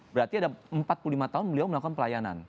berarti ada empat puluh lima tahun beliau melakukan pelayanan